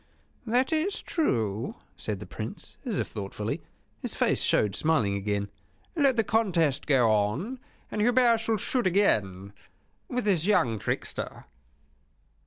"That is true," said the Prince, as if thoughtfully. His face showed smiling again. "Let the contest go on: and Hubert shall shoot again with this young trickster."